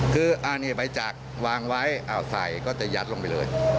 คืออันนี้ใบจักรวางไว้ใส่ก็จะยัดลงไปเลย